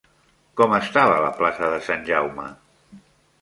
Com estava la plaça de Sant Jaume?